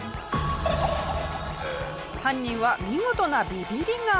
犯人は見事なビビり顔。